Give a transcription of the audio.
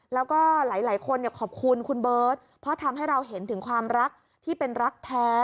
แล้วก็หลายคนขอบคุณคุณเบิร์ตเพราะทำให้เราเห็นถึงความรักที่เป็นรักแท้